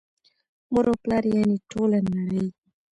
مور او پلار یعني ټوله نړۍ